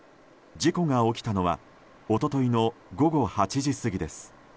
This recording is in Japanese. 事故が起きたのは一昨日の午後８時過ぎです。